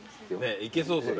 いけそうそれ。